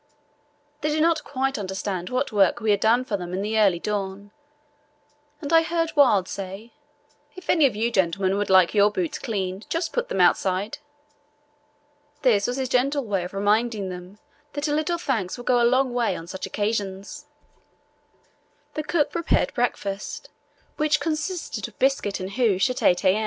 They did not quite understand what work we had done for them in the early dawn, and I heard Wild say, "If any of you gentlemen would like your boots cleaned just put them outside." This was his gentle way of reminding them that a little thanks will go a long way on such occasions. The cook prepared breakfast, which consisted of biscuit and hoosh, at 8 a.